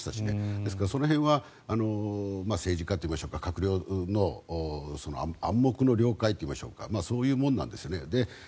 ですから、その辺は政治家といいましょうか閣僚の暗黙の了解といいましょうかそういうものなんですよね。